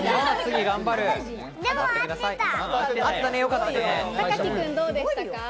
かき君どうでしたか？